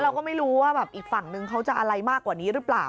เราก็ไม่รู้ว่าแบบอีกฝั่งนึงเขาจะอะไรมากกว่านี้หรือเปล่า